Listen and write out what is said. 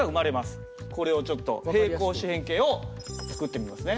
これをちょっと平行四辺形を作ってみますね。